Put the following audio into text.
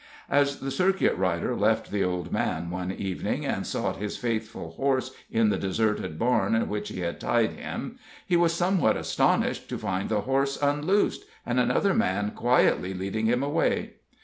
As the circuit rider left the old man one evening, and sought his faithful horse in the deserted barn in which he had tied him, he was somewhat astonished to find the horse unloosed, and another man quietly leading him away.